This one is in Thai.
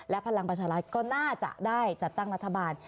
พลังประชารัฐก็น่าจะได้จัดตั้งรัฐบาล